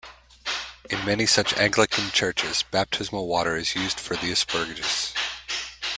In many such Anglican churches baptismal water is used for the asperges.